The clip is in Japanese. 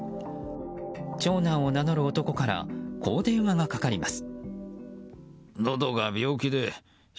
長男を名乗る男からこう電話がかかります。